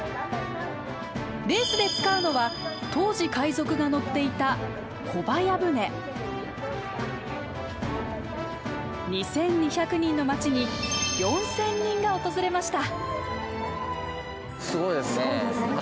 レースで使うのは当時海賊が乗っていた２，２００人の町に４，０００人が訪れました。